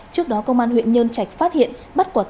trước đó công an huyện nhân trạch phát hiện bắt quả tăng